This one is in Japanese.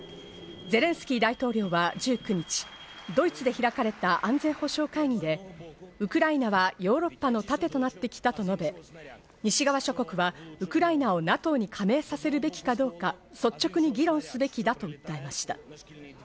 ゼレンスキー大統領は１９日、ドイツで開かれた安全保障会議で、ウクライナはヨーロッパの盾となってきたと述べ、西側諸国は、ウクライナをＮＡＴＯに加盟させるべきかどうか率直に議論すべきだと訴えました。